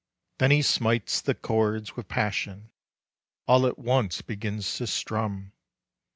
Then he smites the chords with passion, All at once begins to strum.